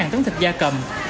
tám tấn thịt da cầm